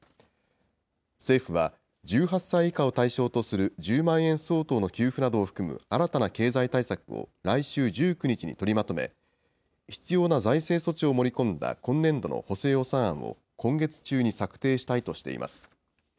政府は、１８歳以下を対象とする１０万円相当の給付などを含む新たな経済対策を来週１９日に取りまとめ、必要な財政措置を盛り込んだ今年度の補正予算案を今月中に策定したいとしています。